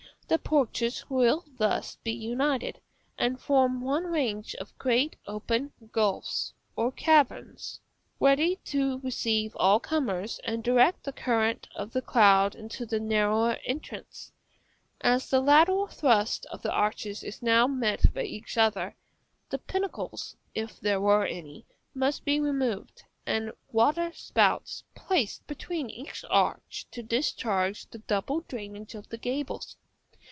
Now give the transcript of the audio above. The porches will thus be united, and form one range of great open gulphs or caverns, ready to receive all comers, and direct the current of the crowd into the narrower entrances. As the lateral thrust of the arches is now met by each other, the pinnacles, if there were any, must be removed, and waterspouts placed between each arch to discharge the double drainage of the gables.